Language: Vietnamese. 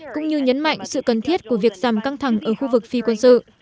cũng như nhấn mạnh sự cần thiết của việc giảm căng thẳng ở khu vực phi quân sự